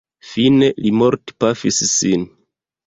Fine li mortpafis sin.